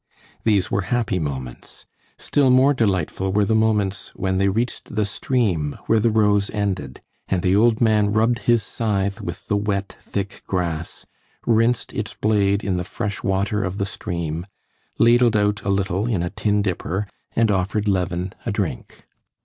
These were happy moments. Still more delightful were the moments when they reached the stream where the rows ended, and the old man rubbed his scythe with the wet, thick grass, rinsed its blade in the fresh water of the stream, ladled out a little in a tin dipper, and offered Levin a drink.